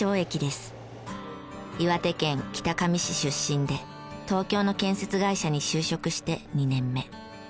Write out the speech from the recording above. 岩手県北上市出身で東京の建設会社に就職して２年目。